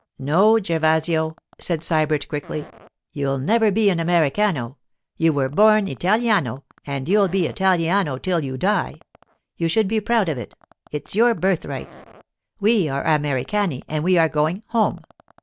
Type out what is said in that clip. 'No, Gervasio,' said Sybert, quickly. 'You'll never be an Americano. You were born Italiano, and you'll be Italiano till you die. You should be proud of it—it's your birthright. We are Americani, and we are going—home.